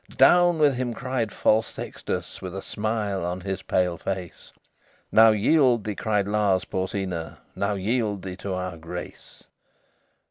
"Down with him!" cried false Sextus, With a smile on his pale face. "Now yield thee," cried Lars Porsena, "Now yield thee to our grace."